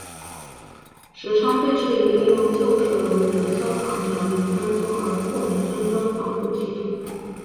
时昌被质疑利用旧式楼宇的消防条例宽松而豁免安装防火系统。